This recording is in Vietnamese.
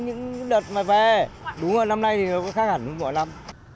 những đợt mà về đúng là năm nay thì nó khác hẳn với mỗi năm